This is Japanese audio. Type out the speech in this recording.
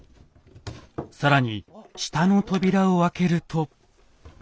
更に下の扉を開けると。